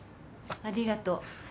ありがとう。